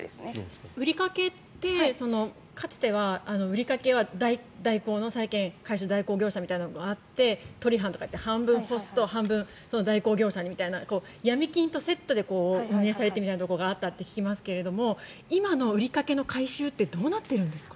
売り掛けってかつては売り掛けは債権代行業者みたいなのがあって取り分が半分ホスト半分代行業者にみたいなヤミ金とセットで運営されているところがあったと聞きますが今の売り掛けの回収ってどうなってるんですか？